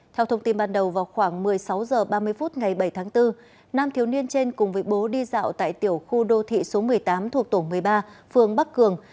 theo thông tin ban đầu vào khoảng một mươi sáu h ba mươi phút ngày bảy tháng bốn nam thiếu niên trên cùng với bố đi dạo tại tiểu khu đô thị số một mươi tám thuộc tổ một mươi ba phường bắc cường